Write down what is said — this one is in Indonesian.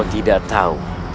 kau tidak tahu